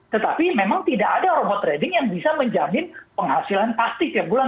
tetapi memang tidak ada robot trading yang bisa menjamin penghasilan pasti tiap bulan